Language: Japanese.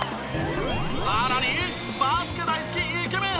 更にバスケ大好きイケメン